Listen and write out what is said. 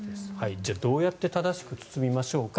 じゃあ、どうやって正しく包みましょうか。